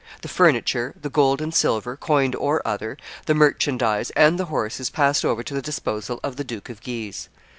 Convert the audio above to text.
The furniture, the gold and silver, coined or other, the merchandise, and the horses passed over to the disposal of the Duke of Guise.